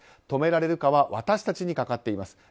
止められるかは私たちにかかっています。